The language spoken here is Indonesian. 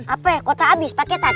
apa ya kotak abis paketan